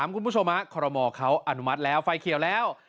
คุณผู้ชมคอรมอเขาอนุมัติแล้วไฟเขียวแล้ว